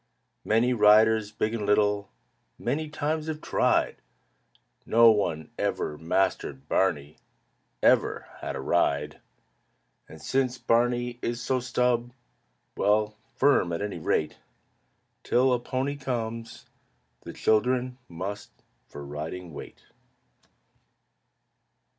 Many riders, big and little, Many times have tried; No one ever mastered Barney, Ever had a ride. And since Barney is so stub well, Firm, at any rate, Till a pony comes, the children Must for riding wait.